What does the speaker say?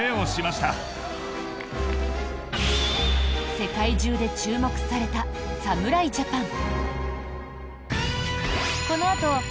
世界中で注目された侍ジャパン。